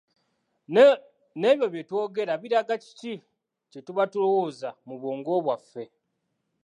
Nebyo bye twogera biraga kiki kye tuba tulowooza mu bwongo bwaffe.